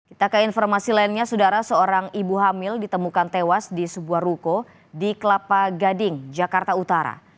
kita ke informasi lainnya saudara seorang ibu hamil ditemukan tewas di sebuah ruko di kelapa gading jakarta utara